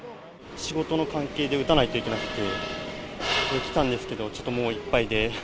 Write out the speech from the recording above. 仕事の関係で打たないといけなくて、来たんですけど、ちょっともういっぱいで。